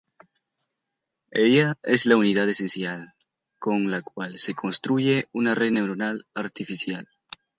Ella es la unidad esencial con la cual se construye una red neuronal artificial.